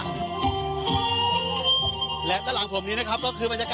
มันอาจจะเป็นแก๊สธรรมชาติค่ะ